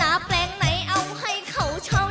หน้าแปลงไหนเอาให้เขาชอบ